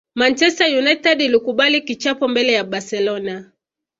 Manchester United ilikubali kichapo mbele ya barcelona